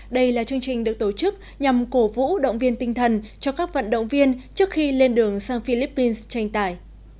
đây là chương trình được tổ chức nhằm cổ vũ động viên tinh thần cho các vận động viên trước khi lên đường sang philippines tranh tải